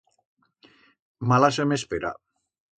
Mala se m'espera.